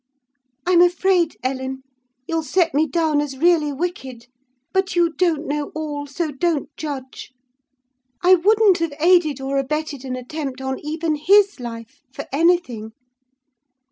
"I'm afraid, Ellen, you'll set me down as really wicked; but you don't know all, so don't judge. I wouldn't have aided or abetted an attempt on even his life for anything.